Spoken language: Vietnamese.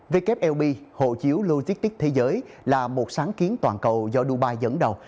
wlb hộ chiếu logistics thế giới là một sáng kiến toàn cầu do dubai dẫn đầu